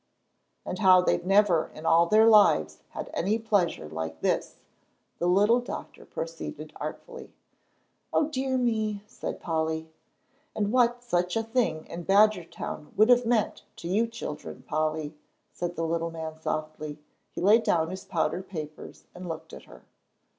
"And how they've never in all their lives had any pleasure like this," the little doctor proceeded artfully. "O dear me!" said Polly. "And what such a thing in Badgertown would have meant to you children, Polly," said the little man, softly. He laid down his powder papers and looked at her.